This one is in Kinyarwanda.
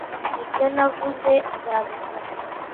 Nibyo navuze nzabikora.